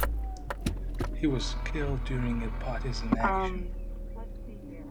He was killed during a partisan action.